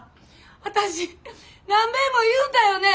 私何べんも言うたよね